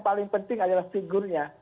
paling penting adalah figurnya